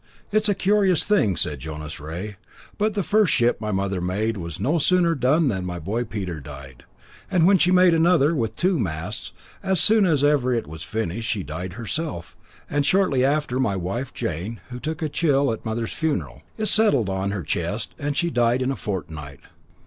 "It's a curious thing," said Jonas Rea, "but the first ship my mother made was no sooner done than my boy Peter died, and when she made another, with two masts, as soon as ever it was finished she died herself, and shortly after my wife, Jane, who took a chill at mother's funeral. It settled on her chest, and she died in a fortnight."